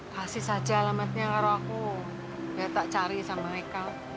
kasih saja alamatnya ke aku biar tak cari sama heka